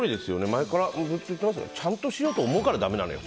前から言ってますけどちゃんとしようと思うからだめなのよ。